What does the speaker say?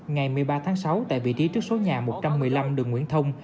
ngày một mươi ba tháng sáu tại vị trí trước số nhà một trăm một mươi năm đường nguyễn thông